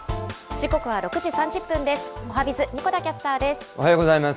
時刻は６時３０分です。